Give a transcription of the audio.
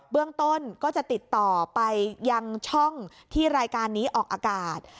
ต้นก็จะติดต่อไปยังช่องที่รายการนี้ออกอากาศ